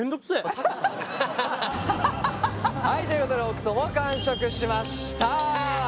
はいということで北斗も完食しました！